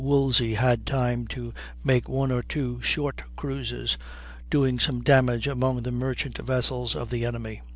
Woolsey had time to make one or two short cruises, doing some damage among the merchant vessels of the enemy.